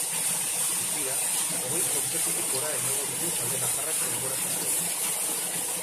Guztira, hogei kontzertutik gora emango ditu talde nafarrak denbora tarte horretan.